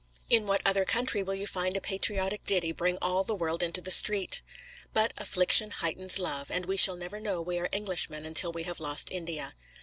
In what other country will you find a patriotic ditty bring all the world into the street? But affliction heightens love; and we shall never know we are Englishmen until we have lost India.